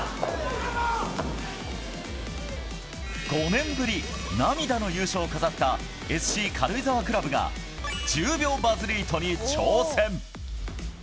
５年ぶり、涙の優勝を飾ったＳＣ軽井沢クラブが、１０秒バズリートに挑戦。